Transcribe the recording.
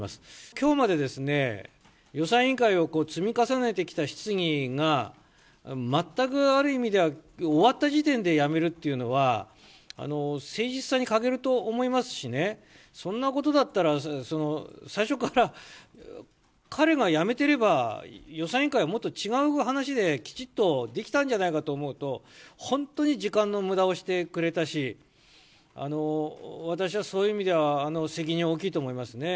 きょうまで予算委員会を積み重ねてきた質疑が、全くある意味では終わった時点で辞めるっていうのは、誠実さに欠けると思いますしね、そんなことだったら、最初から彼が辞めてれば、予算委員会はもっと違う話で、きちっとできたんじゃないかと思うと、本当に時間のむだをしてくれたし、私はそういう意味では、責任は大きいと思いますね。